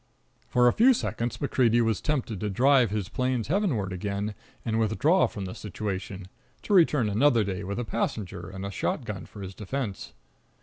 For a few seconds MacCreedy was tempted to drive his planes heavenward again and withdraw from the situation, to return another day with a passenger and a shot gun for his defense.